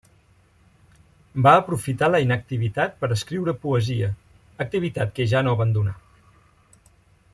Va aprofitar la inactivitat per escriure poesia, activitat que ja no abandonà.